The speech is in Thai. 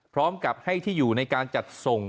พร้อมกับให้ที่อยู่ในการจัดส่ง